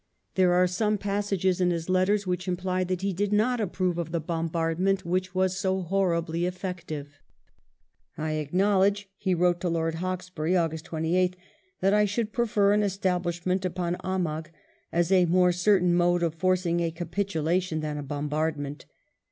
There are some passages in his letters which imply that he did not approve of the bombard ment, which was so horribly effective. " I acknowledge," he wrote to Lord Hawkesbury, August 28th, ''that I should prefer an establishment upon A mag as a more cer tain mode of forcing a capitulation than a bombardment.